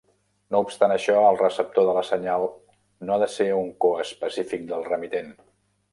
No obstant això, el receptor de la senyal no ha de ser un coespecífic del remitent.